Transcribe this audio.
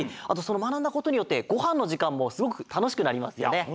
あとそのまなんだことによってごはんのじかんもすごくたのしくなりますよね。